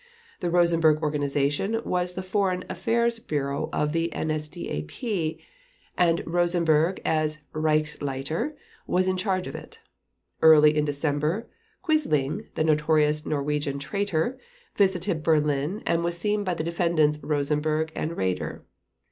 The "Rosenberg Organization" was the Foreign Affairs Bureau of the NSDAP, and Rosenberg as Reichsleiter was in charge of it. Early in December, Quisling, the notorious Norwegian traitor, visited Berlin and was seen by the Defendants Rosenberg and Raeder.